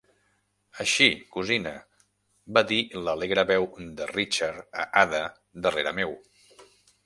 "Així, cosina", va dir l'alegre veu de Richard a Ada darrere meu.